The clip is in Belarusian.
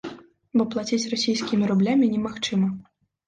Бо плаціць расійскімі рублямі немагчыма.